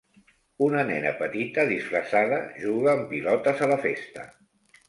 Una nena petita disfressada juga amb pilotes a la festa.